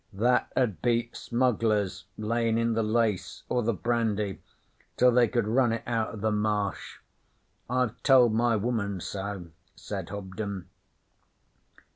'That 'ud be smugglers layin' in the lace or the brandy till they could run it out o' the Marsh. I've told my woman so,' said Hobden.